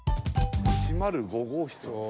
１０５号室。